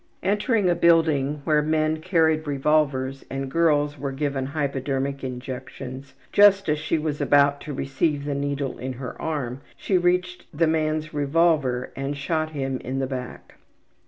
Entering a building where men carried revolvers and girls were given hypodermic injections, just as she was about to receive the needle in her arm, she reached the man's revolver and shot him in the back.